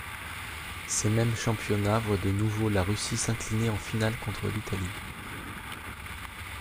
Ces mêmes championnats voient de nouveau la Russie s'incliner en finale contre l'Italie.